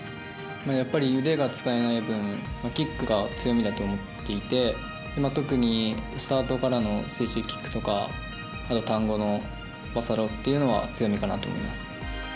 やっぱり腕が使えない分キックが強みだと思っていて特にスタートからの水中キックとかターン後のバサロというのは強みかなと思っています。